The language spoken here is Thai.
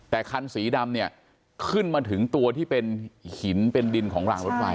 แต่คันสีดำเนี่ยขึ้นมาถึงตัวที่เป็นหินเป็นดินของรางรถไฟ